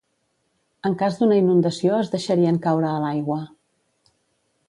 En cas d'una inundació es deixarien caure a l'aigua.